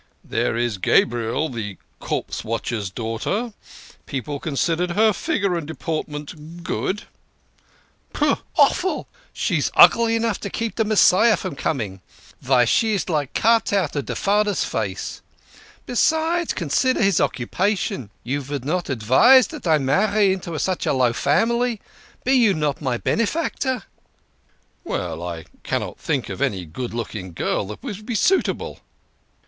" There is Gabriel, the corpse watcher's daughter. People consider his figure and deportment good." " Pooh ! Offal ! She's ugly enough to keep de Messiah from coming. Vy, she's like cut out of de fader's face ! THE KING OF SCHNORRERS. 55 Besides, consider his occupation ! You vould not advise dat I marry into such a low family ! Be you not my bene factor?" "Well, but I cannot think of any good looking girl that would be suitable."